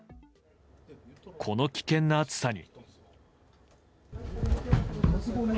この危険な暑さに。